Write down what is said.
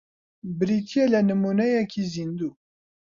بریتییە لە نموونەیەکی زیندوو